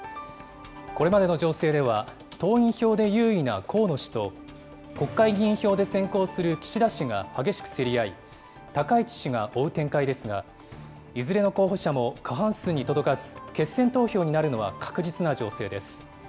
これまでの情勢では、党員票で優位な河野氏と国会議員票で先行する岸田氏が激しく競り合い、高市氏が追う展開ですが、いずれの候補者も過半数に届かず、決選投票になるのは確実な情勢です。